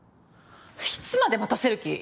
いつまで待たせる気！？